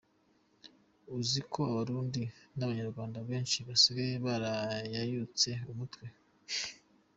Uzi ko abarundi n abanyarwanda benshi basigaye barayayutse umutwe?